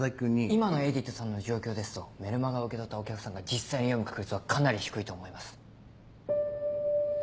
今のエイディットさんの状況ですとメルマガを受け取ったお客さんが実際に読む確率はかなり低いと思います。